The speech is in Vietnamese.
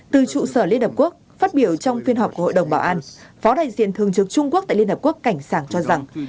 từ trụ sở liên hợp quốc phát biểu trong phiên họp của hội đồng bảo an phó đại diện thường trực trung quốc tại liên hợp quốc cảnh sảng cho rằng